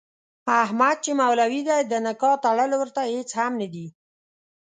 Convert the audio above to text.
احمد چې مولوي دی د نکاح تړل ورته هېڅ هم نه دي.